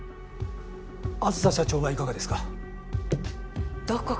梓社長はいかがですか？